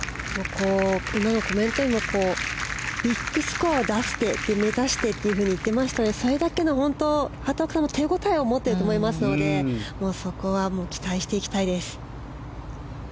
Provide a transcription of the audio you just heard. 今のコメントにもビッグスコアを出して目指してと言っていましたのでそれだけの畑岡さんの手応えを持っていると思いますのでそこは期待していきたいです。